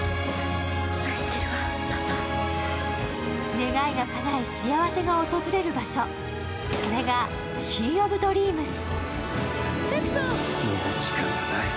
願いがかない、幸せが訪れる場所それがシー・オブ・ドリームス。